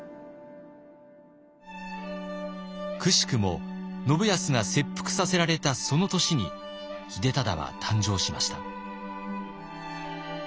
くしくも信康が切腹させられたその年に秀忠は誕生しました。